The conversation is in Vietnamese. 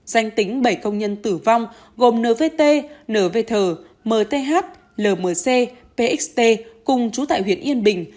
danh tính bảy công nhân tử vong gồm nvt nvth mth lmc pxt cùng trú tại huyện yên bình